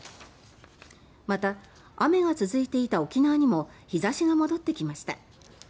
また、雨が続いていた沖縄にも日差しが戻ってきました。